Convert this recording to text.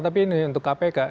tapi ini untuk kpk